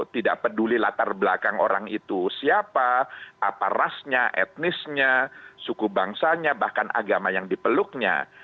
tidak peduli latar belakang orang itu siapa apa rasnya etnisnya suku bangsanya bahkan agama yang dipeluknya